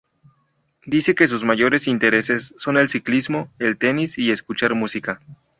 Dice que sus mayores intereses son el ciclismo, el tenis y escuchar música.